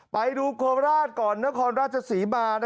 ไปดูโคราชก่อนนครราชศรีมา